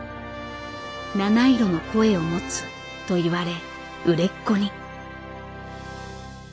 「七色の声を持つ」と言われ売れっ子に。